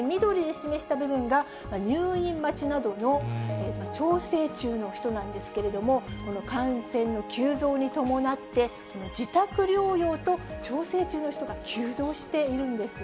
示した部分が入院待ちなどの調整中の人なんですけれども、この感染の急増に伴って、自宅療養と調整中の人が急増しているんです。